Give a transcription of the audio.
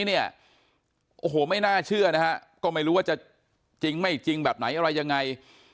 เนี่ยโอ้โหไม่น่าเชื่อนะฮะก็ไม่รู้ว่าจะจริงไม่จริงแบบไหนอะไรยังไง